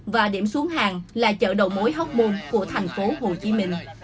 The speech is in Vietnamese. và điểm xuống hàng là chợ đầu mối hóc môn của thành phố hồ chí minh